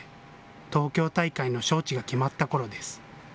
東京大会の招致が決まったころです。